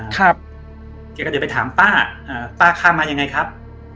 แกก็เดี๋ยวไปถามป้าป้าข้ามมายังไงครับ